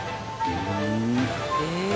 え！？